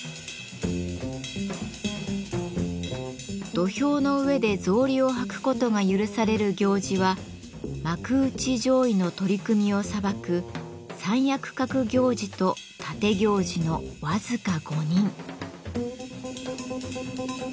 土俵の上で草履を履くことが許される行司は幕内上位の取組を裁く「三役格行司」と「立行司」の僅か５人。